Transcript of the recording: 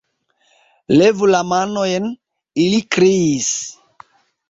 "Levu la manojn", ili kriis.